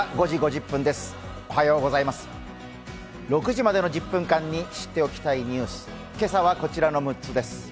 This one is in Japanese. ６時までの１０分間に知っておきたいニュース、今朝はこちらの６つです。